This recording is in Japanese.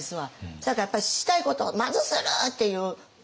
せやからやっぱりしたいことをまずするっていう。